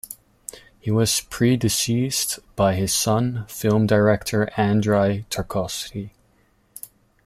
He was predeceased by his son, film director Andrei Tarkovsky.